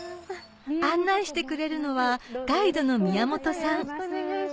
案内してくれるのはガイドの宮本さん